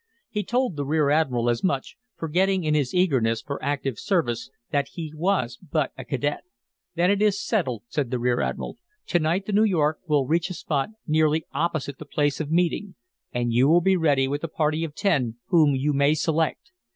He told the rear admiral as much, forgetting in his eagerness for active service, that he was but a cadet. "Then it is settled," said the rear admiral. "To night the New York will reach a spot nearly opposite the place of meeting, and you will be ready with a party of ten, whom you may select.